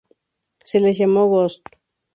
Se les llamo "Ghosts".